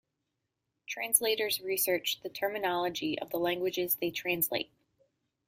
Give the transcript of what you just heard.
Translators research the terminology of the languages they translate.